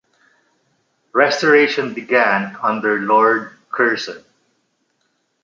Restoration began under Lord Curzon.